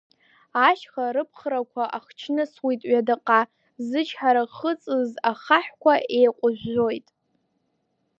Ашьха рыԥхрақәа ахчнысуеит ҩадаҟа, зычҳара хыҵыз ахаҳәқәа еиҟәыжәжәоит.